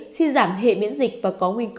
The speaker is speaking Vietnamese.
suy giảm hệ miễn dịch và có nguy cơ